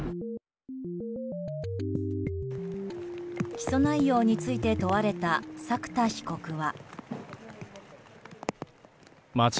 起訴内容について問われた作田被告は。